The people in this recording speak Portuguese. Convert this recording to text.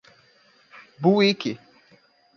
Buíque